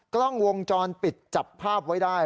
กล้องวงจรปิดจับภาพไว้ได้